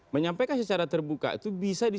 menyampaikan secara terbuka itu bisa